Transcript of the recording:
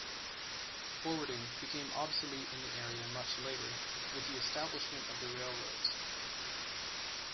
Forwarding became obsolete in the area much later, with the establishment of the railroads.